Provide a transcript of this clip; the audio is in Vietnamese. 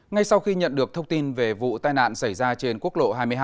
ngay sau khi nhận được thông tin về vụ tai nạn xảy ra trên quốc lộ hai mươi hai